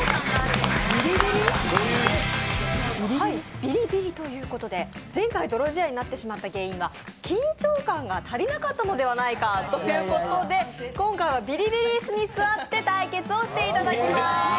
ビリビリということで、前回泥仕合になってしまった原因は緊張感が足りなかったのではないかということで、今回はビリビリイスに座って対決をしていただきます。